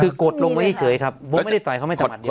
คือกดลงไปเฉยครับผมไม่ได้ต่อยเขาไม่ถนัดเดียว